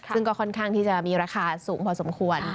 ซึ่งก็ค่อนข้างที่จะมีราคาสูงพอสมควร